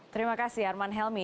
terima kasih arman helmi